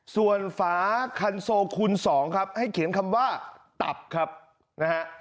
ส่วนฝาคันโซคูณ๒ครับให้เขียนคำว่าตับครับนะฮะ